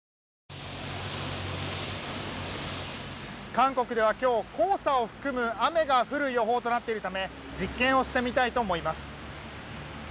韓国では今日黄砂を含む雨が降る予報となっているため実験をしてみたいと思います。